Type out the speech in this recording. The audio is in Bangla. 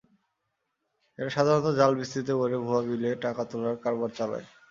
এরা সাধারণত জাল বিস্তৃত করে ভুয়া বিলে টাকা তোলার কারবার চালায়।